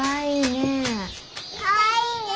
かわいいね！